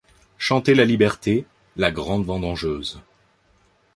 Chanter la Liberté, la grande vendangeuse.